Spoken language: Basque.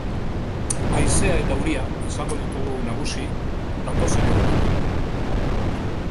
Haizea eta euria izango ditugu nagusi datozen egunotan.